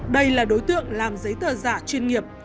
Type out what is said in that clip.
đây là đối tượng làm giấy tờ giả chuyên nghiệp